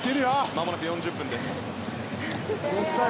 まもなく４０分です。